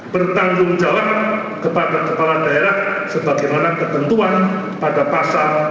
bertanggung jawab kepada kepala daerah sebagaimana ketentuan pada pasal enam puluh lima tiga